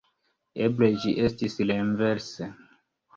Eble ĝi estis renverse.